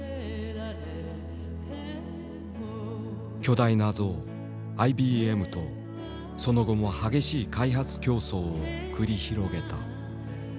巨大な象ＩＢＭとその後も激しい開発競争を繰り広げた。